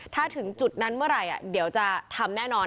ถ้าถึงจุดนั้นเมื่อไหร่เดี๋ยวจะทำแน่นอน